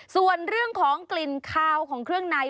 ส่วนเรื่องของกลิ่นคาวของเครื่องใน